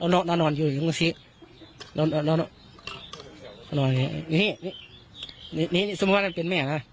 เรานอนอยู่อยู่นี่นิซินี่นี่นี่นี่สมมุตินั้นเป็นแม่นะ